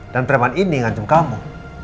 dan preman ini ngajem kamu